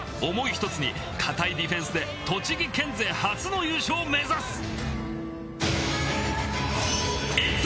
想いひとつに硬いディフェンスで栃木県勢初の優勝を目指す！